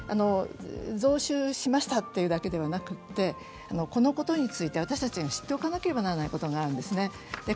増収しましたというだけではなくて、このことについて私たちが知っておかなければならないことがあるんですね。